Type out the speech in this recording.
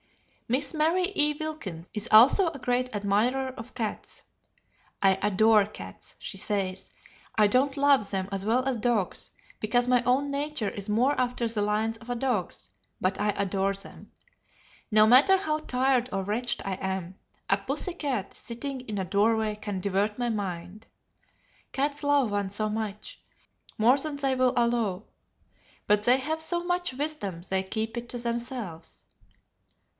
Miss Mary E. Wilkins is also a great admirer of cats. "I adore cats," she says. "I don't love them as well as dogs, because my own nature is more after the lines of a dog's; but I adore them. No matter how tired or wretched I am, a pussy cat sitting in a doorway can divert my mind. Cats love one so much: more than they will allow; but they have so much wisdom they keep it to themselves."